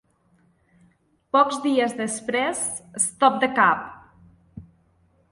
Pocs dies després, Stop The Cap!